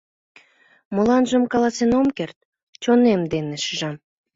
— Моланжым каласен ом керт, чонем дене шижам.